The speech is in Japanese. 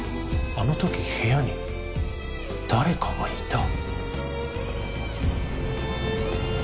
あのとき部屋に誰かがいた